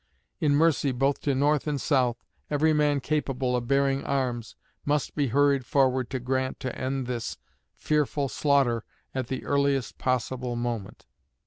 In mercy, both to North and South, every man capable of bearing arms must be hurried forward to Grant to end this, fearful slaughter at the earliest possible moment.